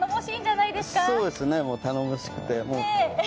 そうですね、頼もしくて。